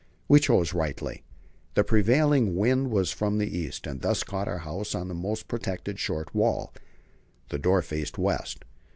We chose rightly. The prevailing wind was from the east, and thus caught our house on its most protected short wall. The door faced west.